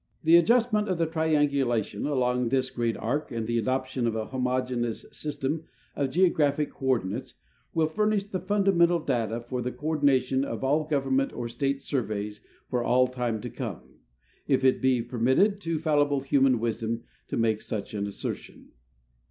The adjustment of the triangulation along this great arc and the adoption of a homogeneous system of geographic coordi " nates will furnish the fundamental data for the coordination of all Government or State surveys for all time to come, if it be permitted to fallible human wisdom to make such an assertion.